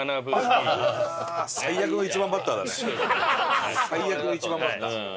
最悪の１番バッター。